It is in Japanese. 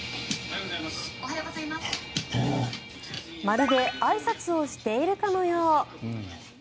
まるであいさつをしているかのよう。